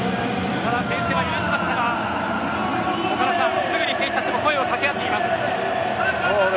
ただ、先制点は許しましたが岡田さんすぐに選手たちも声をかけ合っています。